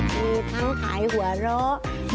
มีทั้งขายหัวเราะมีกระดูก